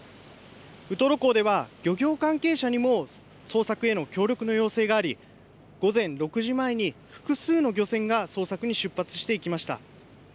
ウトロ港では漁業関係者にも捜索への協力の要請があり午前６時前に複数の漁船が捜索に出発していきました。